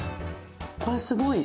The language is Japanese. これすごい。